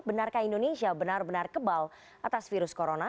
benarkah indonesia benar benar kebal atas virus corona